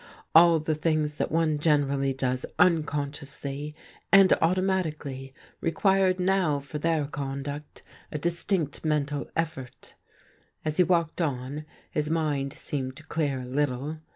All the things that one generally does unconsciously and automatically re quired now for their conduct a distinct mental effort. As he walked on, his mind seemed to clear a little.